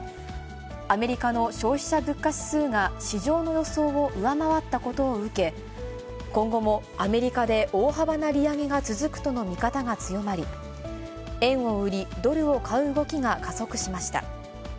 アメリカの消費者物価指数が市場の予想を上回ったことを受け、今後もアメリカで大幅な利上げが続くとの見方が強まり、円を売り、ドルを買う動きが加速しました。